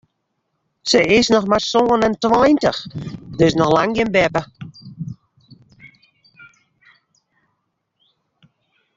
Se is noch mar sân en tweintich, dus noch lang gjin beppe.